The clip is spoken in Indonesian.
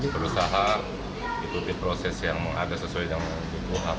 perusahaan itu diproses yang ada sesuai dengan kebutuhan